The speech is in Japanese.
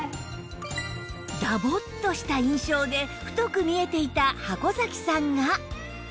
ダボッとした印象で太く見えていた箱崎さんが